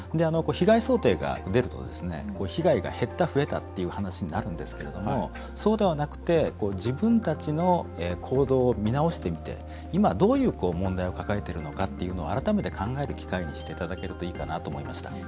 被害想定が出ると被害が減った増えたっていう話になるんですけれどもそうではなくて自分たちの行動を見直してみて今どういう問題を抱えてるのかっていうのを、改めて考える機会にしていただけるといいかなと思いました。